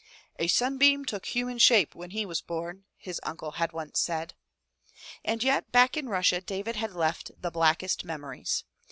A sunbeam took human shape when he was bom/' his uncle once had said. And yet back in Russia David had left blackest memories.